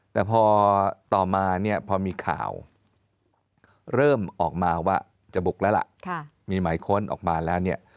แต่พอต่อมาเนี่ยพอมีข่าวเริ่มออกมาว่าจะบุกแล้วล่ะมีหมายค้นออกมาแล้วเนี่ย